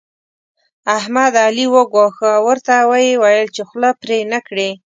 احمد؛ علي وګواښه او ورته ويې ويل چې خوله پرې نه کړې.